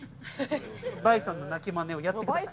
バイソンの鳴きまねをやってください。